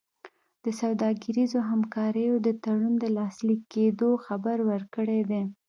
د سوداګریزو همکاریو د تړون د لاسلیک کېدو خبر ورکړی دی.